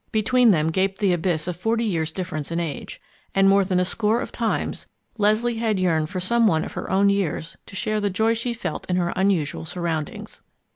Between them gaped the abyss of forty years difference in age, and more than a score of times Leslie had yearned for some one of her own years to share the joy she felt in her unusual surroundings.